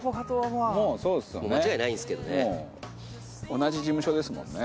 同じ事務所ですもんね。